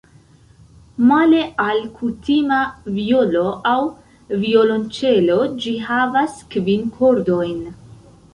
Male al kutima vjolo aŭ violonĉelo ĝi havas kvin kordojn.